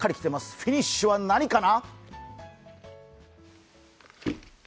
フィニッシュは何かな？